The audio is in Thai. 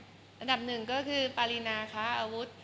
อันดับหนึ่งก็คือปารีนาค้าอาวุธ